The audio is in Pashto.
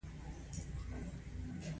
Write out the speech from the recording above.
غړي خپل نظرونه وړاندې کوي.